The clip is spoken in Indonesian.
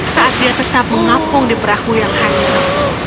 saat dia tetap mengapung di perahu yang hangat